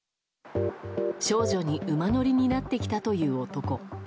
少女に馬乗りになってきたという男。